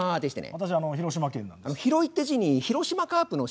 私広島県なんです。